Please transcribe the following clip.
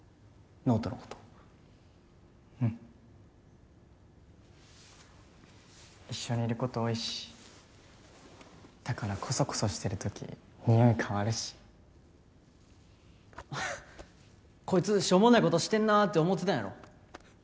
ノートのことうん一緒にいること多いし宝コソコソしてるときにおい変わるしこいつしょうもないことしてんなーって思てたんやろ？